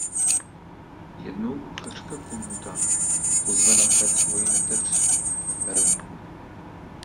Jednou kuchařka Kunhuta pozve na hrad svoji neteř Veroniku.